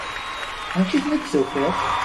Amek i ten-id-tufiḍ?